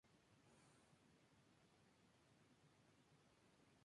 Algunas arquitecturas incluyen otras etapas tales como acceso a la memoria.